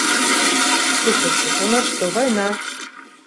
Слухайце, у нас што, вайна?